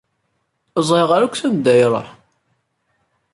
Ur ẓriɣ ara akk sanda i iṛuḥ.